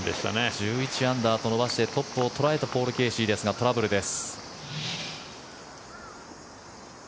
１１アンダーと伸ばしてトップを捉えたポール・ケーシーですがトラブルです。